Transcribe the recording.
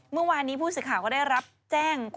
เมื่อวานนี้ผู้สื่อข่าวก็ได้รับแจ้ง